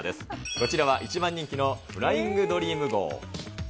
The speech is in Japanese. こちらは一番人気のフライングドリーム号。